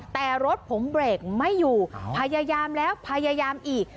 แต่รถผมเบรกไม่อยู่พยายามแล้วพยายามอีก